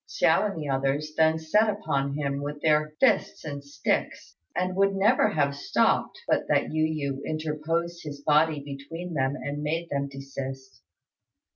Hsiao and the others then set upon him with their fists and sticks, and would never have stopped but that Yu yü interposed his body between them and made them desist.